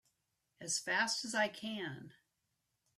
As fast as I can!